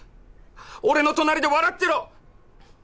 俺の隣で笑ってろ！